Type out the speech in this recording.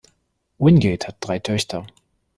Wingate hat drei Töchter.